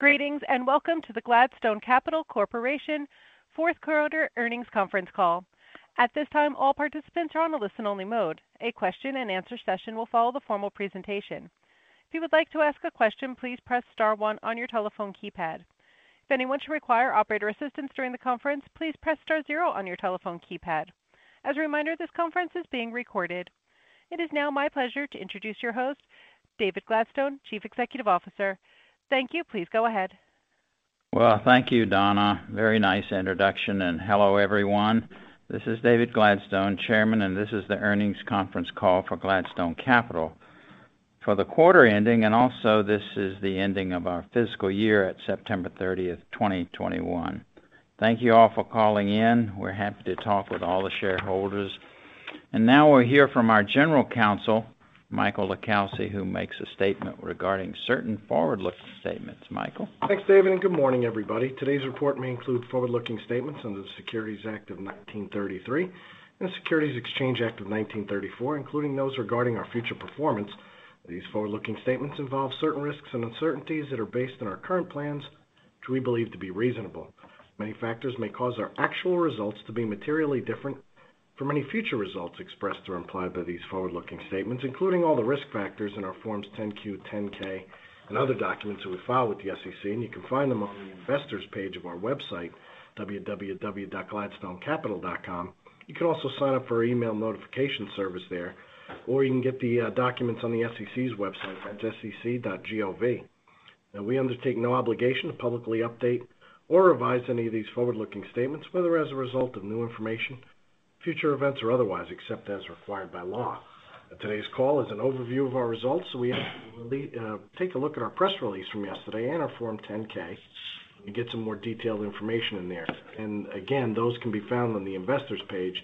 Greetings, and welcome to the Gladstone Capital Corporation fourth quarter earnings conference call. At this time, all participants are on a listen-only mode. A question-and-answer session will follow the formal presentation. If you would like to ask a question, please press star one on your telephone keypad. If anyone should require operator assistance during the conference, please press star zero on your telephone keypad. As a reminder, this conference is being recorded. It is now my pleasure to introduce your host, David Gladstone, Chief Executive Officer. Thank you. Please go ahead. Well, thank you, Donna. Very nice introduction, and hello, everyone. This is David Gladstone, Chairman, and this is the earnings conference call for Gladstone Capital. For the quarter ending and also this is the ending of our fiscal year at 30 September 2021. Thank you all for calling in. We're happy to talk with all the shareholders. Now we'll hear from our General Counsel, Michael LiCalsi, who makes a statement regarding certain forward-looking statements. Michael. Thanks, David, and good morning, everybody. Today's report may include forward-looking statements under the Securities Act of 1933 and the Securities Exchange Act of 1934, including those regarding our future performance. These forward-looking statements involve certain risks and uncertainties that are based on our current plans, which we believe to be reasonable. Many factors may cause our actual results to be materially different from any future results expressed or implied by these forward-looking statements, including all the risk factors in our Forms 10-Q, 10-K, and other documents that we file with the SEC, and you can find them on the Investors page of our website, www.gladstonecapital.com. You can also sign up for our email notification service there, or you can get the documents on the SEC's website at sec.gov. Now, we undertake no obligation to publicly update or revise any of these forward-looking statements, whether as a result of new information, future events, or otherwise, except as required by law. Today's call is an overview of our results, so we ask you to take a look at our press release from yesterday and our Form 10-K and get some more detailed information in there. Again, those can be found on the Investors page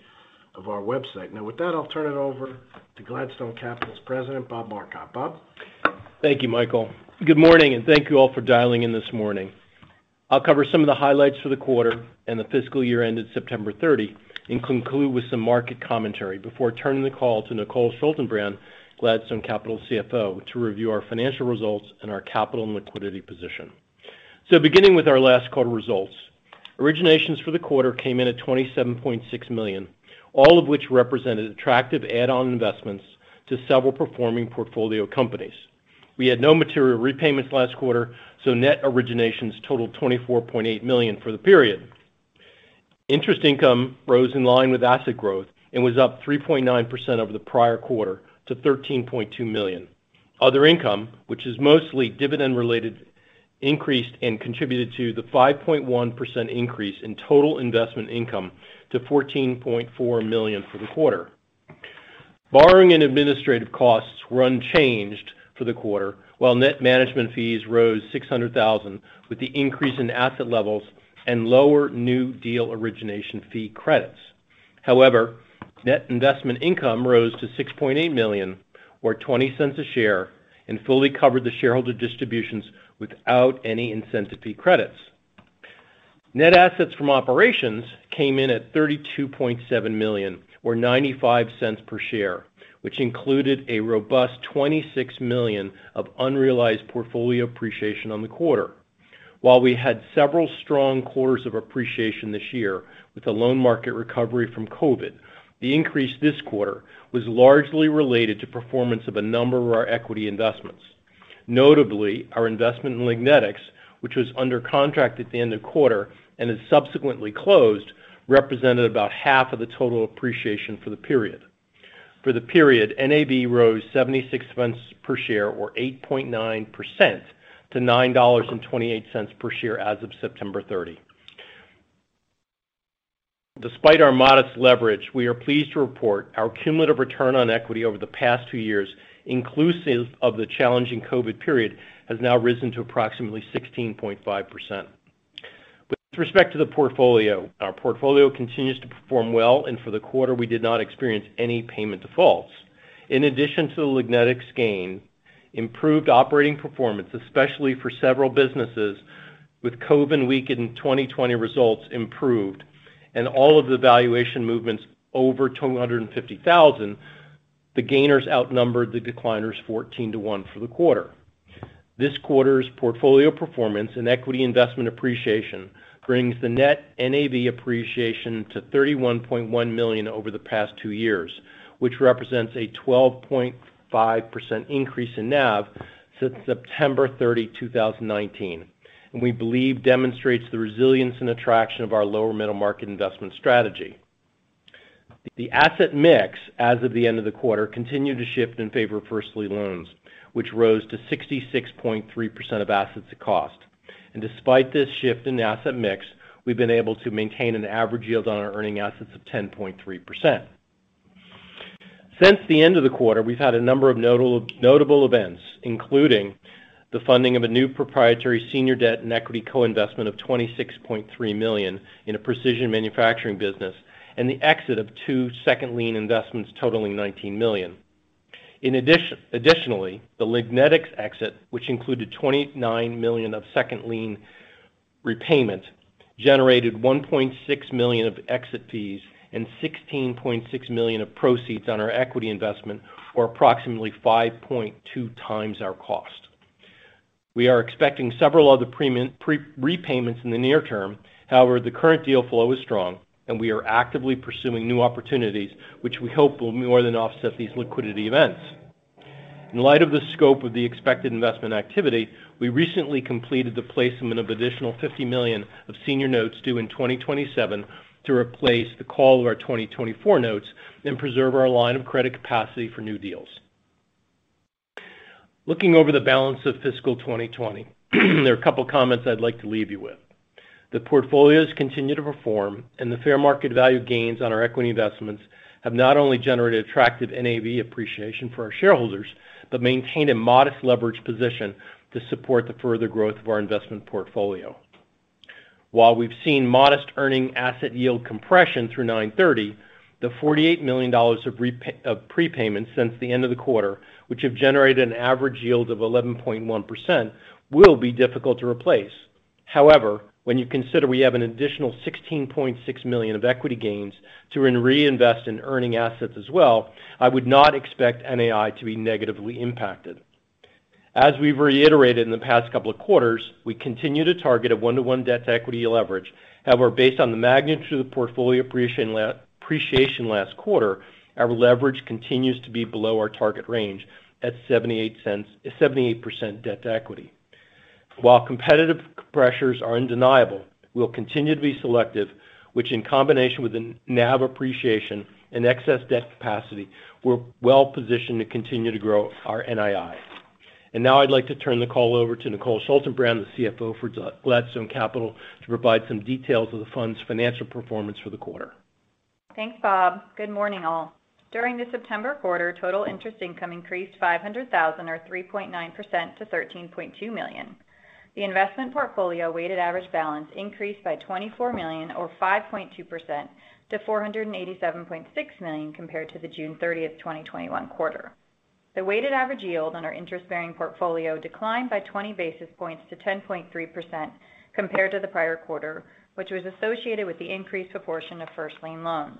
of our website. Now, with that, I'll turn it over to Gladstone Capital's President, Bob Marcotte. Bob. Thank you, Michael. Good morning, and thank you all for dialing in this morning. I'll cover some of the highlights for the quarter and the fiscal year ended 30 September and conclude with some market commentary before turning the call to Nicole Schaltenbrand, Gladstone Capital's CFO, to review our financial results and our capital and liquidity position. Beginning with our last quarter results, originations for the quarter came in at $27.6 million, all of which represented attractive add-on investments to several performing portfolio companies. We had no material repayments last quarter, so net originations totaled $24.8 million for the period. Interest income rose in line with asset growth and was up 3.9% over the prior quarter to $13.2 million. Other income, which is mostly dividend-related, increased and contributed to the 5.1% increase in total investment income to $14.4 million for the quarter. Borrowing and administrative costs were unchanged for the quarter, while net management fees rose $600,000 with the increase in asset levels and lower new deal origination fee credits. However, net investment income rose to $6.8 million or $0.20 a share and fully covered the shareholder distributions without any incentive fee credits. Net assets from operations came in at $32.7 million or $0.95 per share, which included a robust $26 million of unrealized portfolio appreciation on the quarter. While we had several strong quarters of appreciation this year with the loan market recovery from COVID, the increase this quarter was largely related to performance of a number of our equity investments. Notably, our investment in Lignetics, which was under contract at the end of quarter and is subsequently closed, represented about half of the total appreciation for the period. For the period, NAV rose $0.76 per share or 8.9% to $9.28 per share as of 30 September. Despite our modest leverage, we are pleased to report our cumulative return on equity over the past two years, inclusive of the challenging COVID period, has now risen to approximately 16.5%. With respect to the portfolio, our portfolio continues to perform well, and for the quarter, we did not experience any payment defaults. In addition to the Lignetics gain, improved operating performance, especially for several businesses with COVID-weakened 2020 results improved and all of the valuation movements over 250,000, the gainers outnumbered the decliners 14-to-1 for the quarter. This quarter's portfolio performance and equity investment appreciation brings the net NAV appreciation to $31.1 million over the past two years, which represents a 12.5% increase in NAV since 30 September 2019, and we believe demonstrates the resilience and attraction of our lower middle market investment strategy. The asset mix as of the end of the quarter continued to shift in favor of first-lien loans, which rose to 66.3% of assets at cost. Despite this shift in the asset mix, we've been able to maintain an average yield on our earning assets of 10.3%. Since the end of the quarter, we've had a number of notable events, including the funding of a new proprietary senior debt and equity co-investment of $26.3 million in a precision manufacturing business and the exit of two second lien investments totaling $19 million. Additionally, the Lignetics exit, which included $29 million of second lien repayment generated $1.6 million of exit fees and $16.6 million of proceeds on our equity investment, or approximately 5.2x our cost. We are expecting several other repayments in the near term. However, the current deal flow is strong and we are actively pursuing new opportunities, which we hope will more than offset these liquidity events. In light of the scope of the expected investment activity, we recently completed the placement of additional $50 million of senior notes due in 2027 to replace the call of our 2024 notes and preserve our line of credit capacity for new deals. Looking over the balance of fiscal 2020, there are a couple of comments I'd like to leave you with. The portfolios continue to perform and the fair market value gains on our equity investments have not only generated attractive NAV appreciation for our shareholders, but maintained a modest leverage position to support the further growth of our investment portfolio. While we've seen modest earning asset yield compression through 9/30, the $48 million of prepayments since the end of the quarter, which have generated an average yield of 11.1% will be difficult to replace. However, when you consider we have an additional $16.6 million of equity gains to reinvest in earning assets as well, I would not expect NII to be negatively impacted. As we've reiterated in the past couple of quarters, we continue to target a one-to-one debt-to-equity leverage. However, based on the magnitude of the portfolio appreciation last quarter, our leverage continues to be below our target range at 78% debt-to-equity. While competitive pressures are undeniable, we'll continue to be selective, which in combination with the NAV appreciation and excess debt capacity, we're well positioned to continue to grow our NII. Now I'd like to turn the call over to Nicole Schaltenbrand, the CFO for Gladstone Capital, to provide some details of the fund's financial performance for the quarter. Thanks, Bob. Good morning all. During the September quarter, total interest income increased $500,000 or 3.9% to $13.2 million. The investment portfolio weighted average balance increased by $24 million or 5.2% to $487.6 million compared to the 30June 2021 quarter. The weighted average yield on our interest-bearing portfolio declined by 20 basis points to 10.3% compared to the prior quarter, which was associated with the increased proportion of first lien loans.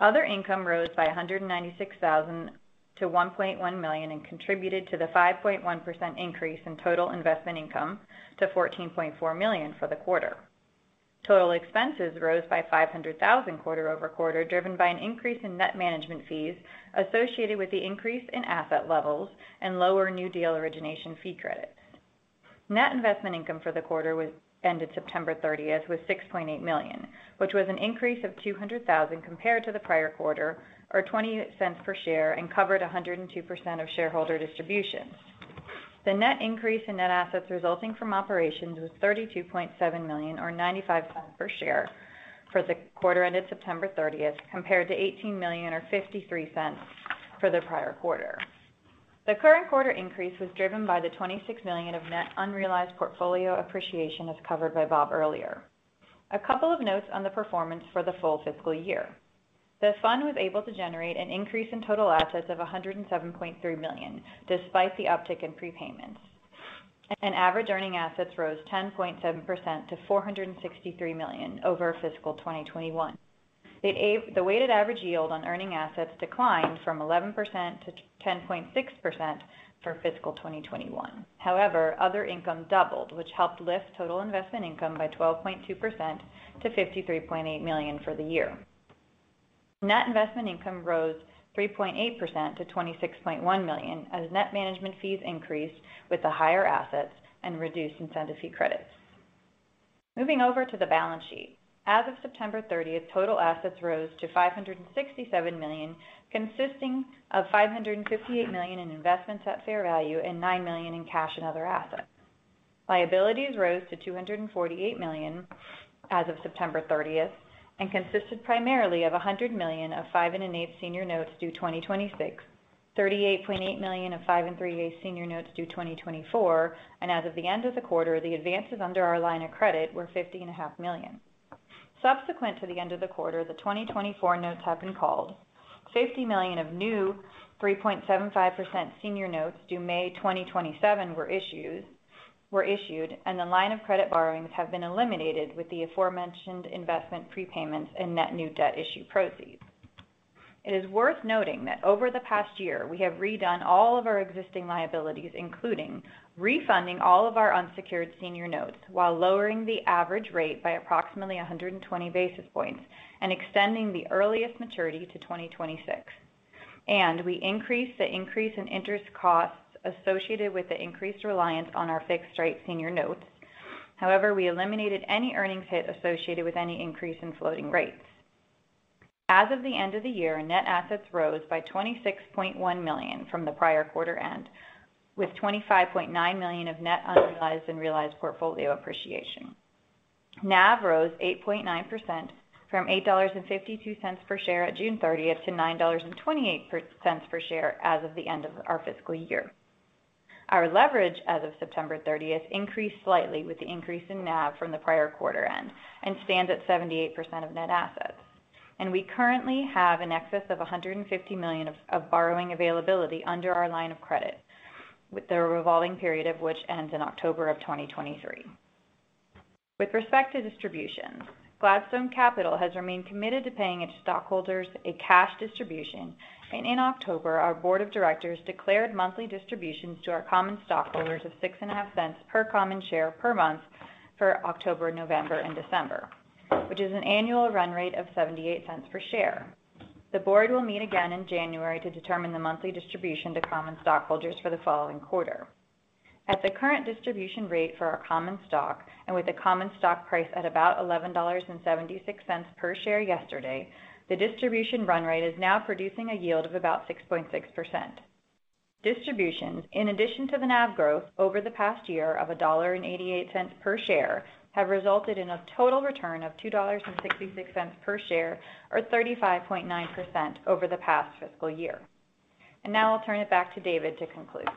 Other income rose by $196,000 to $1.1 million and contributed to the 5.1% increase in total investment income to $14.4 million for the quarter. Total expenses rose by $500,000 quarter-over-quarter, driven by an increase in net management fees associated with the increase in asset levels and lower new deal origination fee credits. Net Investment Income for the quarter ended 30 September was $6.8 million, which was an increase of $200,000 compared to the prior quarter, or $0.20 per share, and covered 102% of shareholder distributions. The net increase in net assets resulting from operations was $32.7 million or $0.95 per share for the quarter ended 30 September, compared to $18 million or $0.53 for the prior quarter. The current quarter increase was driven by the $26 million of net unrealized portfolio appreciation as covered by Bob earlier. A couple of notes on the performance for the full fiscal year. The fund was able to generate an increase in total assets of $107.3 million, despite the uptick in prepayments. Average earning assets rose 10.7% to $463 million over fiscal 2021. The weighted average yield on earning assets declined from 11% to 10.6% for fiscal 2021. However, other income doubled, which helped lift total investment income by 12.2% to $53.8 million for the year. Net investment income rose 3.8% to $26.1 million as net management fees increased with the higher assets and reduced incentive fee credits. Moving over to the balance sheet. As of 30 September, total assets rose to $567 million, consisting of $558 million in investments at fair value and $9 million in cash and other assets. Liabilities rose to $248 million as of 30 September, and consisted primarily of $100 million of 5.125% senior notes due 2026, $38.8 million of 5.375% senior notes due 2024, and as of the end of the quarter, the advances under our line of credit were $50.5 million. Subsequent to the end of the quarter, the 2024 notes have been called. $50 million of new 3.75% senior notes due May 2027 were issued, and the line of credit borrowings have been eliminated with the aforementioned investment prepayments and net new debt issue proceeds. It is worth noting that over the past year, we have redone all of our existing liabilities, including refunding all of our unsecured senior notes while lowering the average rate by approximately 120 basis points and extending the earliest maturity to 2026. We increased the increase in interest costs associated with the increased reliance on our fixed-rate senior notes. However, we eliminated any earnings hit associated with any increase in floating rates. As of the end of the year, net assets rose by $26.1 million from the prior quarter end, with $25.9 million of net unrealized and realized portfolio appreciation. NAV rose 8.9% from $8.52 per share at June 30 to $9.28 cents per share as of the end of our fiscal year. Our leverage as of 30 September increased slightly with the increase in NAV from the prior quarter end and stands at 78% of net assets. We currently have an excess of $150 million borrowing availability under our line of credit with the revolving period of which ends in October 2023. With respect to distributions, Gladstone Capital has remained committed to paying its stockholders a cash distribution. In October, our board of directors declared monthly distributions to our common stockholders of $0.065 per common share per month for October, November and December, which is an annual run rate of $0.78 per share. The board will meet again in January to determine the monthly distribution to common stockholders for the following quarter. At the current distribution rate for our common stock and with the common stock price at about $11.76 per share yesterday, the distribution run rate is now producing a yield of about 6.6%. Distributions, in addition to the NAV growth over the past year of $1.88 per share, have resulted in a total return of $2.66 per share, or 35.9% over the past fiscal year. Now I'll turn it back to David to conclude.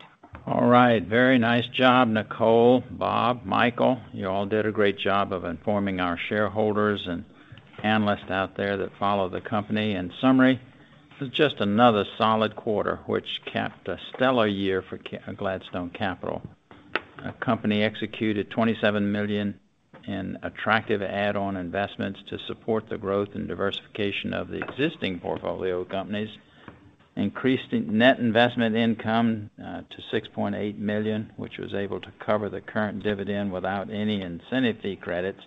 All right. Very nice job, Nicole, Bob, Michael, you all did a great job of informing our shareholders and analysts out there that follow the company. In summary, this is just another solid quarter which capped a stellar year for Gladstone Capital. Our company executed $27 million in attractive add-on investments to support the growth and diversification of the existing portfolio companies, increased in net investment income to $6.8 million, which was able to cover the current dividend without any incentive fee credits,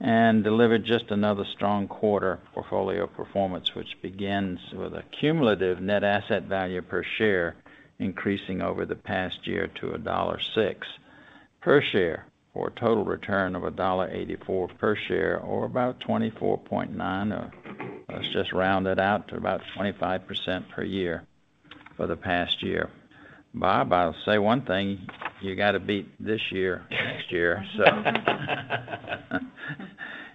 and delivered just another strong quarter portfolio performance which begins with a cumulative net asset value per share, increasing over the past year to $1.06 per share, or a total return of $1.84 per share, or about 24.9%. Let's just round it out to about 25% per year for the past year. Bob, I'll say one thing, you gotta beat this year next year.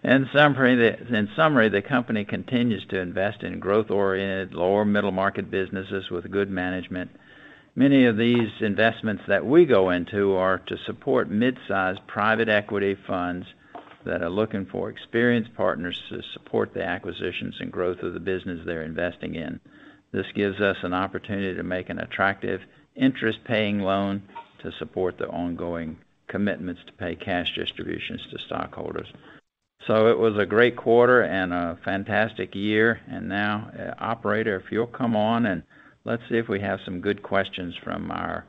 In summary, the company continues to invest in growth-oriented lower middle market businesses with good management. Many of these investments that we go into are to support mid-sized private equity funds that are looking for experienced partners to support the acquisitions and growth of the business they're investing in. This gives us an opportunity to make an attractive interest-paying loan to support the ongoing commitments to pay cash distributions to stockholders. It was a great quarter and a fantastic year. Now, operator, if you'll come on and let's see if we have some good questions from our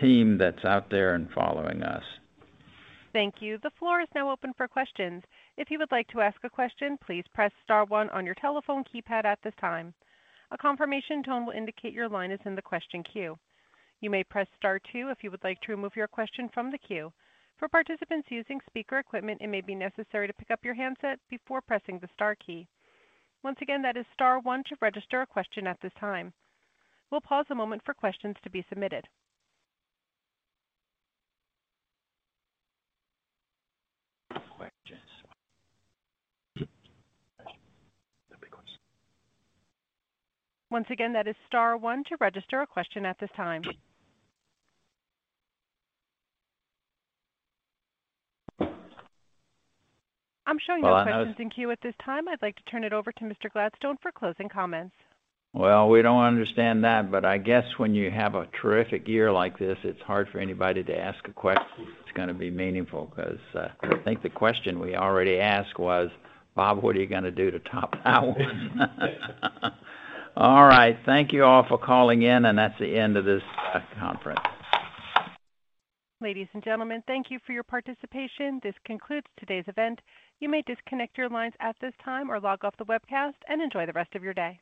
team that's out there and following us. Thank you. The floor is now open for questions. If you would like to ask a question, please press star one on your telephone keypad at this time. A confirmation tone will indicate your line is in the question queue. You may press star two if you would like to remove your question from the queue. For participants using speaker equipment, it may be necessary to pick up your handset before pressing the star key. Once again, that is star one to register a question at this time. We'll pause a moment for questions to be submitted. Questions. Once again, that is star one to register a question at this time. I'm showing no questions in queue at this time. I'd like to turn it over to Mr. Gladstone for closing comments. Well, we don't understand that, but I guess when you have a terrific year like this, it's hard for anybody to ask a question that's gonna be meaningful because, I think the question we already asked was, Bob, what are you gonna do to top that one? All right. Thank you all for calling in, and that's the end of this, conference. Ladies and gentlemen, thank you for your participation. This concludes today's event. You may disconnect your lines at this time or log off the webcast and enjoy the rest of your day.